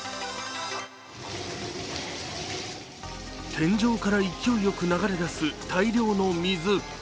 天井から勢いよく流れ出す大量の水。